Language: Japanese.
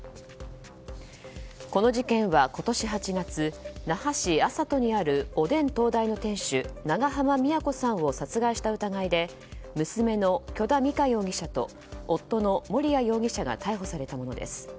この事件は今年８月那覇市安里にあるおでん東大の店主長濱美也子さんを殺害した疑いで娘の許田美香容疑者と夫の盛哉容疑者が逮捕されたものです。